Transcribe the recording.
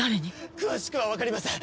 詳しくは分かりません